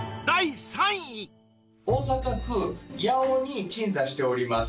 大阪府八尾に鎮座しております